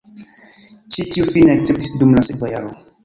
Ĉi tiu fine akceptis dum la sekva jaro.